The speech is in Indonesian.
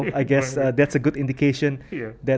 saya rasa ini adalah indikasi yang baik